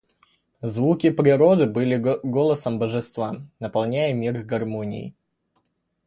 Звуки природы были голосом божества, наполняя мир гармонией.